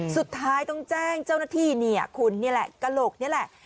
สุดท้ายต้องแจ้งเจ้าหน้าที่เนี่ยคุณนี่แหละกระโหลกนี่แหละ